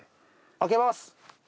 開けます！